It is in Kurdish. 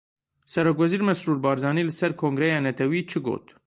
Serokwezîr Mesrûr Barzanî li ser Kongreya Netewî çi got?